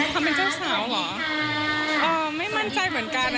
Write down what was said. เขาเป็นเจ้าสาวเหรอเออไม่มั่นใจเหมือนกัน